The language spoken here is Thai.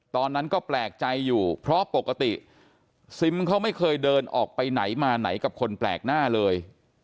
ตอนนั้นก็แปลกใจอยู่เพราะปกติซิมเขาไม่เคยเดินออกไปไหนมาไหนกับคนแปลกหน้าเลย